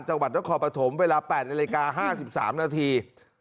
จังหวัดนครปฐมเวลา๘นาฬิกา๕๓นาที